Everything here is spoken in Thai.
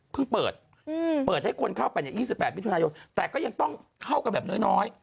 เปิดเปิดให้คนเข้าไป๒๘มิถุนายนแต่ก็ยังต้องเข้ากันแบบน้อย